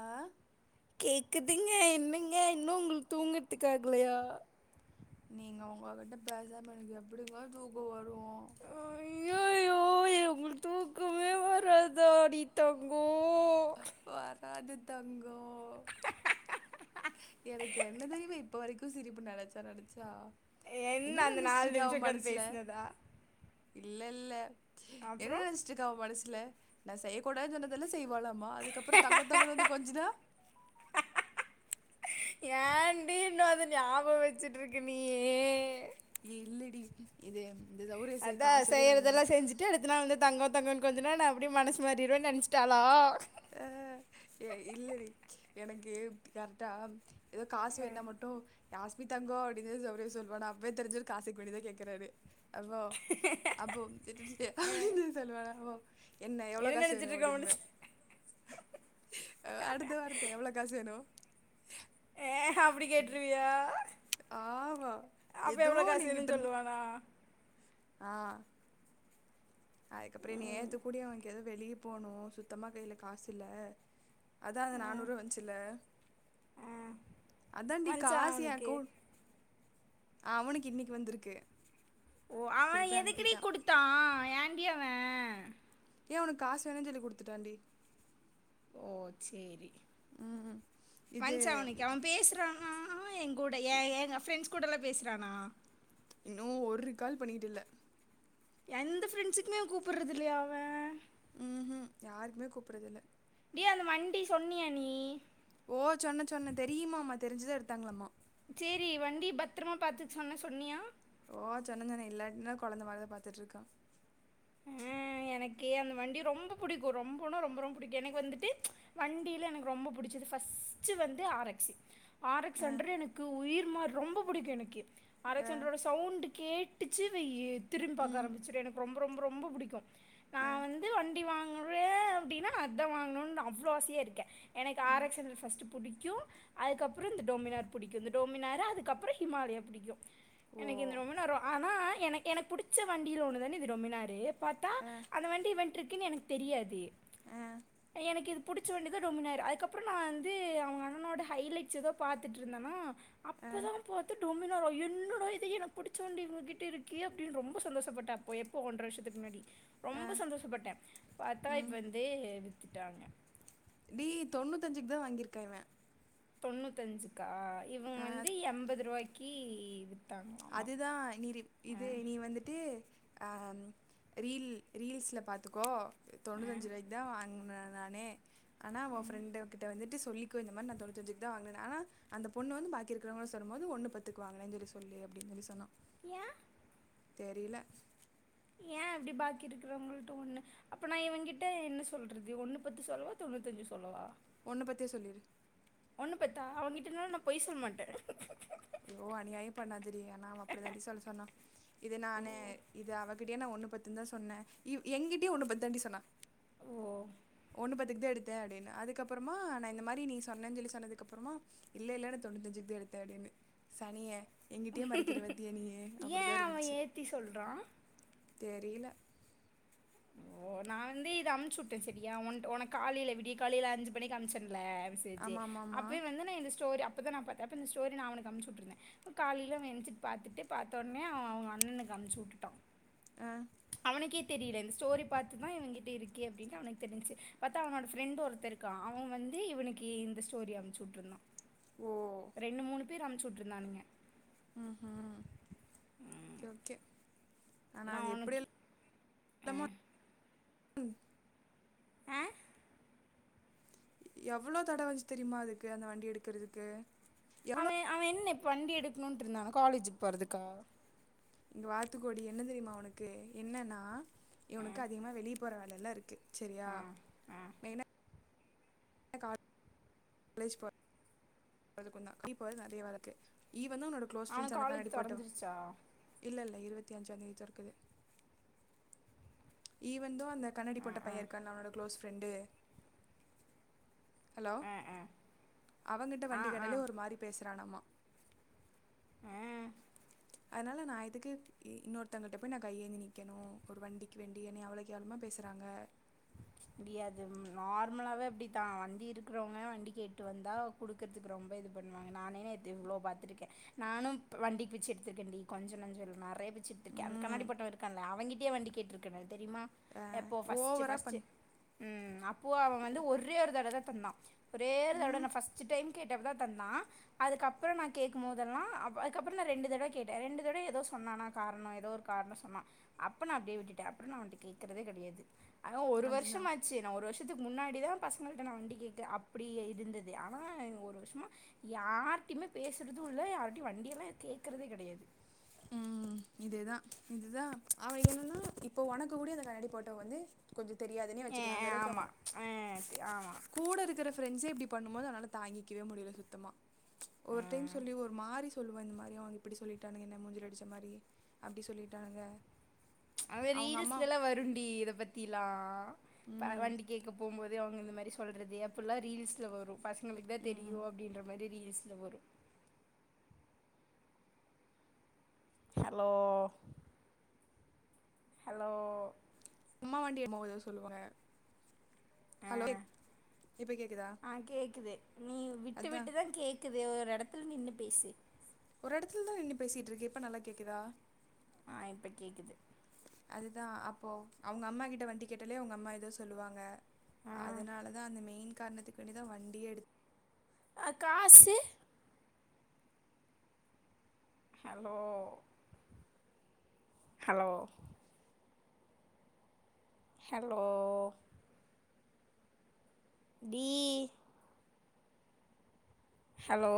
ஆ கேக்குதுங்க என்னங்க இன்னு உங்களுக்கு தூங்கறதுக்கு ஆகலையா நீங்க உங்ககிட்ட பேசாமா எனக்கு எப்பிடிங்கா தூக்கோ வரு அய்அய்யோ எ உங்களுக்கு தூக்கமே வராதாடி தங்கோ வராது தங் கோ எனக்கு என்ன தெறியுமா இப் இப்ப வரைக்கு சிரிப்பு நெனச்சா நெனச்சா என்ன அந்த நெனச்சிட்டு நாலு இருக்கா அவ நிமிஷோ ஒக்காந்து மனசுல பேசனதா இல்ல இல்ல என்ன நெனச்சிட்டு இருக்கா மனசுல இத்ல நா செய்யக்கூடாது சொன்னதல்லா செய்வலா மா அதுக்கப்பறோ தங்கோ தங்கோன்னு வந்து கொஞ்சுனா ஏண்டி இன்னோ அத ஞாபகோ வச்சிட்ருக்க நீ இல்லடி இதே அதா செய்றதெல்லா செஞ்சிட்டு அடுத்து நாள் வந்து தங்கோ தங்கோ கொஞ்சனா நா அப்பிடியே மனசு மாரிடுவேன் நெனச்சிட்டாலா அ எ இல்லடி எனக்கு கரெட்டா ஏதோ காசு வேணுன்னா மட்டு யாஸ்மி தங்கோ அப்பிடினு சொல் அவரே சொல்வானா அப்பவே தெரிஞ்சிரு காசுக்கு வேண்டிதா கேக்குறாரு தங்கோ அப்போ [unintelligible] சொலவானாகோ என்ன எவ்ளோ காசு வேணு நினச்சிட்டு இருக்க அப்பிடிம்ப முடிச்சு அடுத்த வார்த்த எவ்ளோ காசு வேணோ ஏ அப்பிடி கேட்டுருவியா ஆமா அப்ப ஏதோ எவ்ளோ ஒன்னு காசு எங்கிட்ட வேணுன் இருந்து சொல்லுவானா ஆ அதுக்கப்புறோ நேத்து கூடியோ இங்க ஏதோ வெளியே போனு சுத்தமா கையில காசு இல்ல அதா அந்த நானூரூவா வச்சில்ல அதாண்டி மச்சான் காசு ஏ அவனுக்கு அக்கவு அவனுக்கு இன்னிக்கு வந்துருக்கு ஓ அவ எதுக்குடி குடுத்தா ஏண்டி ஏ உனக்கு காசு வேணுன் சொல்லி குடுத்துட்டாண்டி ஓ சேரி ம் இது வஞ்ச்சா அவனுக்கு அவே பேசுறானா கூட ஏ ஏங்க ஃப்ரெட்ஸ் கூடல்லா பேசுறானா இன்னோ ஒருக்கால் பண்ணிட்டுல்ல எந்த ஃப்ரெண்ட்ஸுக்குமே கூப்பறது இல்லையா அவே ம் ம் யாருக்குமே கூப்பறது இல்ல டேய் அந்த வண்டி சொன்னியா நீ தெரிஞ்சுதா எடுத்தாங்களாம்மா சேரி வண்டிய பத்திரமா பாத்துக்க சொன்னே சொன்னியா ஓ சொன்ன சொன்ன இல்லாட்ன்னா கொழந்த மாரிதா பாத்துட்ருக்கா ஏ அந்த வண்டிய ரொம்ப புடிக்கோ ரொம்பனா ரொம்ப ரொம்ப புடிக்கோ எனக்கு வந்துட்டு வண்டில எனக்கு ரொம்ப பிடிச்சது ஃபஸ்ட்டு வந்து ஆர்எக்ஸ் ஆரெக்ஸ் ஆ சென்டுரு எனக்கு உயிர் ம்மா ரொம்ப புடிக்கோ எனக்கு ஆரெக்ஸ் ஆ சென்ட்ர் ஓட சவுண்டு கேட்டுச்சி வெய்யி திரும்பாக்க ம் ஆரம்பிச்சிடோ எனக்கு ரொம் ரொம்ப ரொம்ப புடிக்கு நா ஆ வந்து வண்டி வாங் முரே அப்பிடின்னா அத்தா வாங்கணுன் அவ்ளோ ஆசையா இருக்கே எனக்கு ஆரக்ஸ்ந்த ஃபஸ்ட்டு புடிக்கு கியு அதுக்கப்புறோ இந்த டோமினார் புடிக்கு இந்த டோமினார அதுக்கப்புறோ ஹிமாலயா புடிக்கு ஓ எனக்கு இந்த ரொம்ப நோமினார் ஆனா என எனக்கு புடிச்ச வண்டியில ஒன்னுதான இது ரொமினாடே பாத்தா ஆ அந்த வண்டி வென்றுக் க்கின் எனக்கு தெரியாதே ஆ எனக்கு இது புடிச்ச வண்டிதா ரோமினாரு அதுக்கப்புறோ நா வந்து அவுங்க அண்ணனோட ஹைலைட்ஸ் ஏதோ பாத்துட்டுருந்தேன்னா ஆ அப்பதா பாத்துன் ரோமினார என்னடா இத எனக்கு பிடிச்ச வண்டிங்கிட்ட இவுங்ககிட்ட இருக்கே அப்பிடின் ரொம்ப சந்தோஷப்பட்ட அப்ப ப்போ ஒன்டற வருஷத்துக்கு முன்னாடி ஆ ரொம்ப சந்தோஷப்பட்டே பாத்தா ம் இப்ப இந்து திட்டாங்க டி தொண்ணூத்து அஞ்சுக்குதா வாங்கியிருக்கா இவே தொண்ணூத்தி அஞ்சுக்கா இவுங்க வந்து எண்பது ரூவாய்க் கிவ் அதுதா நீருப் இது நீ வந்துட்டு ஆ ம் ரீல் ரீல்ஸூல பாத்துக்கோ தொண்ணூத்தஞ்சு ரூவாய்க்குதா வாங்கினே நானே ஆனா ஒ ஃபிரெண்ட்கிட்ட வந்துட்டு சொல்லிக்கோ இந்த மாரி தொன்னுத்தஞ்சிக்குதா வாங்கன்னா ஆனா அந்த பொண்ணு வந்து பாக்கி இருக்குறவங்கள சொல்லு போது ஒன்னு பத்துக்குவாங்க சொல்லி சொல்லு அப்பிடின் சொல்லி சொன்னா ஏ தெரியல ஏ அப்பிடி பாக்கி இருக்குறவங்கள்ட்ட ஒண்ணு அப்ப நா இவன் கிட்ட என்ன சொல்றது ஒண்ணு பத்து சொல்லவா தொண்ணூத்தஞ்சு சொல்லவா ஒன்னு பத்தே சொல்லிரு ஒண்ணு பத்தா அவ்கிட்டனா நா பொய் சொல்லமாட்டே ஐயோ அநியாயோ பண்ணாதரி ஆனா அப்பிடி தாண்டி சொல்ல சொன்னா இது ஓ நானு இது அவகிட்டயே ஒன்னு பத்துதா சொன்னே இவ் எங்கிட்டயே ஒன்னு பத்தாண்டி சொன்னா ஓ ஒன்னு பத்துக்குதா எடுத்தே அப்பிடின்னா அதுக்கப்புறமா நா இந்த மாரி நீ சொன்னேஞ்ச சொல்லி சொன்னதுக்கு அப்புறமா இல்ல இல்ல தொண்ணூத்தஞ்சுக்குதா எடுத்தே அப்பிடின்னு சனியே எங்கிட்டயே மறைக்கிற பத்தியா நீயி ஏ அப்டிதா அவே ஏத்தி சொல்றா தெரியில ஓ நா வந்து இது அமுச்சுடே சேரியா உன்ட் உனக் காலையில விடிய காலையில ஐஞ்சு மணி அமுச்ச ல்ல மெசேஜ் ஆமா ஆமா ஆமா அப்பயே வந்து நா இந்த ஸ்டோரி அ அப்பதா பாத்தே அப்ப இந்த ஸ்டோரி நா உனக்கு அமுச்சுடுருந்தே காலையில அவே எந்திச்சு பாத்துட்டு பாத்தோனே அவ அவுங்க அண்ணக்கு அனுச்சுட்டுடா ஆ அவனுக்கே தெரியில இஸ் ஸ்டோரி பாத்துதா இவன்கிட்ட இருக்கே அப்பிடின்னு தெரிஞ்ச்சு பாத்தா அவன் ஃபிரண்ட் ஒருத்த இருக்கா அவன் வந்து இவனுக்கு இந்த ஸ்டோரி அமுச்சுவிட்ருந்தா ஓ ரெண்ணு மூணு பேர் அமுச்சுட்டு இருந்தானுங்க ம் ஹும் கே ஓகே ஆனா அது நான் எப்டி உனக்கு எல் தமா ம் ஆ எவ்ளோ தடவ அஞ்சு தெரியுமா அதுக்கு அந்த வண்டி எடுக்கறதுக்கு எவ்ளோ அவேன் அவேன் என்னெப் வண்டி எடுக்கணுடுருந்தான காலேஜுக்கு போறதுக்கா இங்க வாத்துக்கோடி என்ன தெரியுமா அவனுக்கு என்னன்னா இவனுக்கு அதிகமா வெளிய போற வேலலா இருக்கு செரியா ஆ மெய்ன எனகா காலேஜ் போர் அதுக்கு தான் நீ போறது அதே வேலைக்கு இவ் வந்து உன்னோட குளோஸ் ஃப்ரெண்ட்ஸ் அவனுக்கு அந்த கண்ணாடி காலேஜ் போட்ட திறந்துருச்சா இல்லல் இருவத்தி அஞ்சாம் தேதி தொகுது ஈவன் இதுவு அந்த கண்ணாடி ஆ போட்ட ஆ பையன் இருக்கான்ல அவனோட குலோஸ் ரெண்டு ஹலோ ஆ ஆ அவங்கிட் ட்ட வண்டி ஆ கடேல ஒரு மாரி பேசுறா வேணாமா ஆ ஆ அதுனால நா எதுக்கு இன்னோர் தங்கிட்ட போய் நா கையேந்தி நிக்கணும் ஒரு வண்டிக்கு வேண்டி என்னய அவ்ள கேவலமா பேசுறாங்க முடியாது நார்மலாவே அப்டித்தான் வண்டி இருக்குறவங்க வண்டி கேட்டு வந்தா குடுக்கறதுக்கு ரொம்ப இது பண்ணுவாங்க நானே நேத்து இவ்ளோ பாத்துருக்கேன் நானு வண்டி பிச்ச எடுத்துருக்கேன் டி கொஞ்ச நஞ்சல்ல நெறைய பிச்ச எடுத்துருக்கேன் அந்த ம் கண்ணாடி போட்டவன் இருக்கான்ல அவங்கிட்டயே வண்டி கேட்டுருக்கே நானு தெரியுமா எப்போ பஸ்ட்டு ஓவரா பஸ்ட்டு பண் ம் அப்போ அவன் வந்து ஒரே ஒரு தர் அதத தந்தான் ஒரே ஒரு தடவ ம் நா பஸ்ட்டு டைம் கேட்டப்பதா தந்தான் அதுக்கப்புறம் நா கேக்கும்போதெல்லா அதுக்கப்ற நா ரெண்டு தடவ கேட்டேன் ரெண்டு தடவ ஏதோ சொன்னான் ஆனா காரணம் ஏதோ ஒரு காரணம் சொன்னான் அப்ப நா அப்டியே விட்டுட்டேன் அப்புறம் நா அவன்ட கேக்றதே கிடையாது அஹ ஒரு வருஷ் ட்டு அதுதான் மாச்சு நா ஒரு வருஷ் வருஷத்துக்கு முன்னாடிதா பசங்கள்ட நா வண்டி கேக் அப்டி இருந்தது ஆனா ஒரு வருஷமா யார்டையுமே பேசுறது இல்ல யார்டயு வண்டியெல்லா கேக்குறதே கெடையாது இதேதா இதுதா அவ என்னன்னா இப்போ உனக்கு கூட அந்த கண்ணாடி போட்டவ வந்து கொஞ்ச தெரியாதுனே வச்சுக்கலா அந்த அளவுக்கு அவன ஆமாம் ஆமாம் கூட இருக்குற ப்ரெண்ட்ஸ இப்டி பண்ணு போது அதனால தாங்கிக்கவே முடில சுத்தமா ஒரு டைம் சொல்லி ஒரு மாரி சொல்லுவா இந்த மாரி அவங்க இப்டி சொல்லிட்ட மூஞ்சில அடிச்ச மாரி அப்டி சொல்லிட்டாங்க அவ ரீல்ஸ்லல்லா வருண்டி இத பத்திலா ம் பால்வண்டி கேக்கு போம்போது அவுங்க இந்த மாரி சொல்றது எப்பல்லா ரீல்ஸ்ல வரு பசங்களுக்கு தா ம் தெரியு அப்டின்ற மாரி ரீல்ஸ்ல வரு ஹலோ ஹலோ அம்மா வண்டி எமோத சொல்லுவாக ஆ ஹலோ கேக் இப்ப கேக்குதா ஆ கேக்குது நீ விட்டு அதா விட்டுதா கேக் ஏதோ ஒரு எடத்துல நின்னு பேசு ஒரு எடத்துலதா நின்னு பேசிட்டுருக்கே இப்ப நல்லா கேக்குதா ஆ இப்ப கேக்குது அதுதா அப்போ அவுங்க அம்மா கிட்ட வண்டி கேட்டாலயே அவங்க அம்மா ஏதோ சொல்லுவாங்க ஆ அதனால தா அந்த மெயின் காரணத்துக்கு வேண்டிதா வண்டியே எடு அ காசு ஹலோ ஹலோ ஹலோ டி ஹலோ